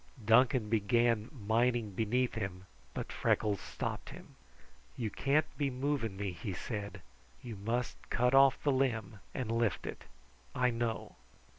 Duncan began mining beneath him, but Freckles stopped him. "You can't be moving me," he said. "You must cut off the limb and lift it. I know."